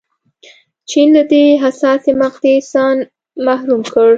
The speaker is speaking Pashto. چین له دې حساسې مقطعې ځان محروم کړ.